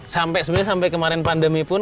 sampai sebenarnya sampai kemarin pandemi pun